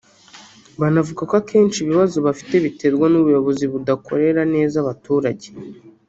Banavuga ko akenshi ibibazo bafite biterwa n’ubuyobozi budakorera neza abaturage